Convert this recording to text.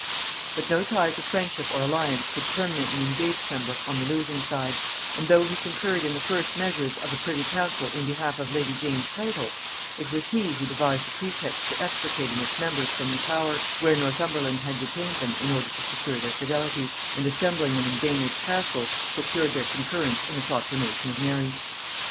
But no ties of friendship or alliance could permanently engage Pembroke on the losing side; and though he concurred in the first measures of the privy council in behalf of lady Jane's title, it was he who devised a pretext for extricating its members from the Tower, where Northumberland had detained them in order to secure their fidelity, and, assembling them in Baynard's castle, procured their concurrence in the proclamation of Mary.